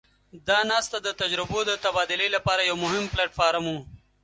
دا ناسته د تجربو د تبادلې لپاره یو مهم پلټ فارم وو.